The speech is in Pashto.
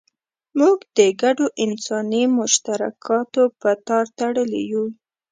موږ د ګډو انساني مشترکاتو په تار تړلي یو.